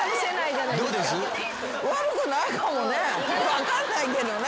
分かんないけどね